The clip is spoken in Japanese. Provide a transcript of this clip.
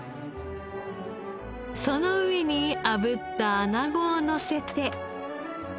その上に炙ったアナゴをのせて。